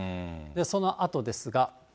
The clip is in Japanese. そのあとですが。